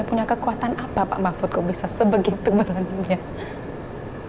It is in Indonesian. punya kekuatan apa pak mahfud kalau bisa sebegitu berani